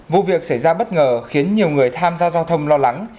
vụ việc xảy ra bất ngờ khiến nhiều người tham gia giao thông lo lắng